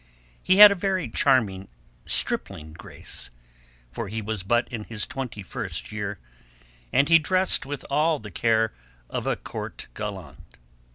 He had a very charming stripling grace—for he was but in his twenty first year—and he dressed with all the care of a Court gallant.